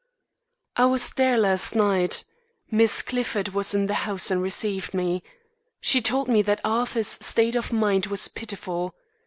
"I was there last night. Miss Clifford was in the house and received me. She told me that Arthur's state of mind was pitiful.